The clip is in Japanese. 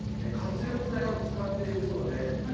活力剤を使っているそうで。